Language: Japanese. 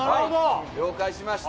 了解しました。